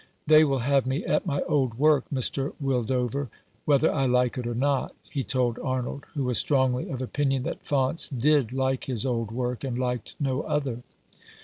" They will have me at my old work, Mr. Wild over, whether I like it or not," he told Arnold, who was strongly of opinion that Faunce did like his old work, and liked no other.